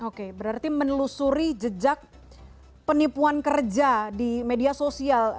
oke berarti menelusuri jejak penipuan kerja di media sosial